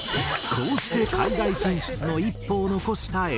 こうして海外進出の一歩を残したＳ．Ｅ．Ｓ．。